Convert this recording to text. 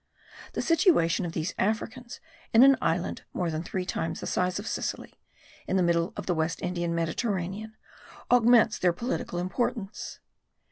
The situation of these Africans in an island more than three times the size of Sicily, in the middle of the West Indian Mediterranean, augments their political importance.